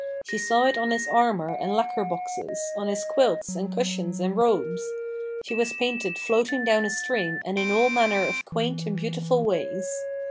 She saw it on his armour and lacquer boxes, on his quilts and cushions and robes. She was painted floating down a stream and in all manner of quaint and beautiful ways.